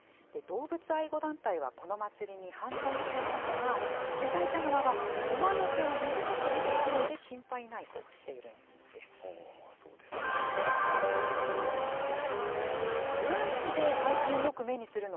動物愛護団体は、この祭りに反対していますが、主催者側は、馬の毛を短くしているので、心配ないとしているんです。